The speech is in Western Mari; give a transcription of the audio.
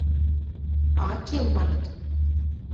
– Аккел, – маныт.